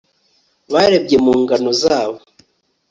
barebye mu ngano zabo